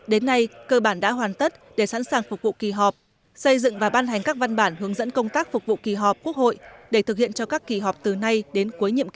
đến nay cơ bản đã hoàn tất để sẵn sàng phục vụ kỳ họp xây dựng và ban hành các văn bản hướng dẫn công tác phục vụ kỳ họp quốc hội để thực hiện cho các kỳ họp từ nay đến cuối nhiệm kỳ tới